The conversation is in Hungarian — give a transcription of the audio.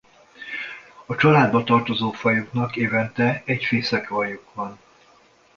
A családba tartozó fajoknak évente egy fészekaljuk van.